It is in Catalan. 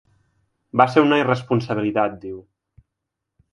Va ser una irresponsabilitat, diu.